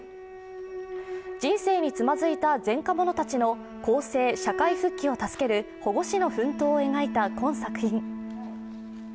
人生につまずいた前科者たちの更生・社会復帰を助ける保護司の奮闘を描いた今作品。